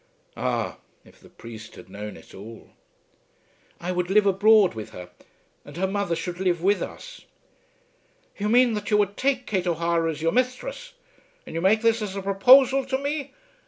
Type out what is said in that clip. Ah, if the priest had known it all! "I would live abroad with her, and her mother should live with us." "You mean that you would take Kate O'Hara as your misthress! And you make this as a proposal to me!